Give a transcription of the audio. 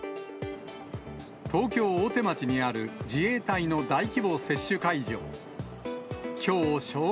東京・大手町にある自衛隊の大規模接種会場。